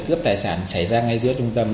cướp tài sản xảy ra ngay giữa trung tâm